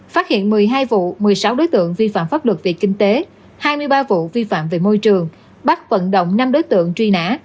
phát hiện một mươi hai vụ một mươi sáu đối tượng vi phạm pháp luật về kinh tế hai mươi ba vụ vi phạm về môi trường bắt vận động năm đối tượng truy nã